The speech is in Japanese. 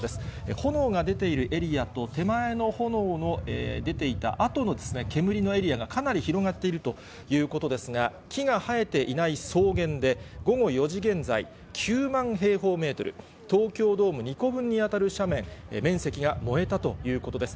炎が出ているエリアと、手前の炎の出ていたあとの煙のエリアがかなり広がっているということですが、木が生えていない草原で、午後４時現在、９万平方メートル、東京ドーム２個分に当たる斜面、面積が燃えたということです。